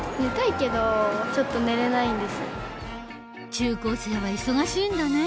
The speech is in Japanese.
中高生は忙しいんだね。